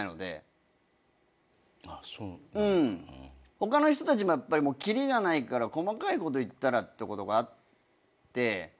他の人たちも切りがないから細かいこと言ったらってことがあって。